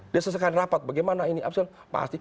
dia sesekali rapat bagaimana ini